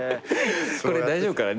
これ大丈夫かな？